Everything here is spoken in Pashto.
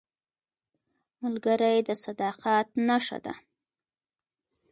ملګری د صداقت نښه ده